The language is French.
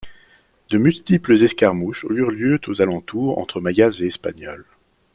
De multiples escarmouches eurent lieu aux alentours entre Mayas et Espagnols.